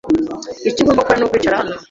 Icyo ugomba gukora nukwicara hano.